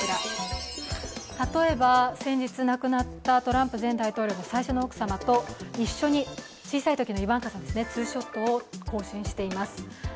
例えば先日亡くなったトランプ前大統領の最初の奥様と一緒に小さいときのイヴァンカさん、ツーショットを更新しています。